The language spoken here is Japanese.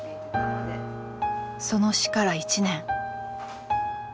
その死から１年。